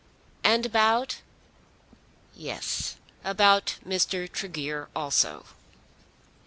"And about ?" "Yes; about Mr. Tregear also.